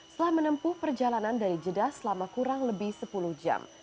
setelah menempuh perjalanan dari jeddah selama kurang lebih sepuluh jam